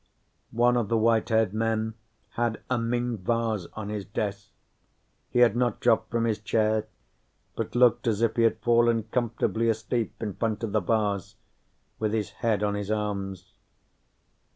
One of the white haired men had a Ming vase on his desk. He had not dropped from his chair, but looked as if he had fallen comfortably asleep in front of the vase with his head on his arms.